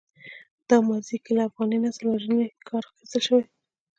دا ماضي کې له افغاني نسل وژنې کار اخیستل شوی.